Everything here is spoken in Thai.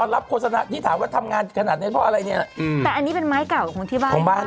รู้สึกแบบนี้เหมือนกัน